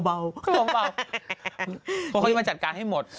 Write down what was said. เพราะเขาจะมาจัดการให้หมด